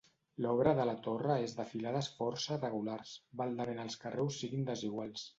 L'obra de la torre és de filades força regulars, baldament els carreus siguin desiguals.